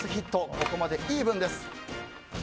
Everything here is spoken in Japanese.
ここまでイーブンです。